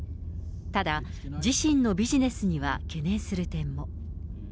ただ、自身のビジネスには懸念する点も。